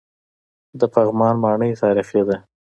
د پغمان ماڼۍ تاریخي ده